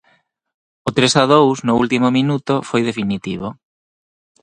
O tres a dous, no último minuto, foi definitivo.